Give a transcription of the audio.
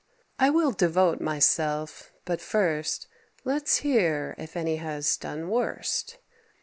I will devote myself; but, first, Let's hear if any has done worst.